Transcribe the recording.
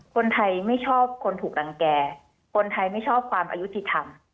คนไทยไม่ชอบคนถูกรังแก่คนไทยไม่ชอบความอายุติธรรม